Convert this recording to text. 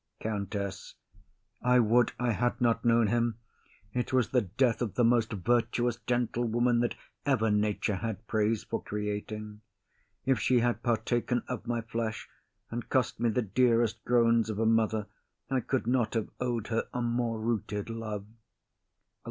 COUNTESS. I would I had not known him; it was the death of the most virtuous gentlewoman that ever nature had praise for creating. If she had partaken of my flesh and cost me the dearest groans of a mother, I could not have owed her a more rooted love.